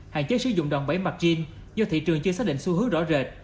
hạn chế sử dụng đòn bẫy margin do thị trường chưa xác định xu hướng rõ rệt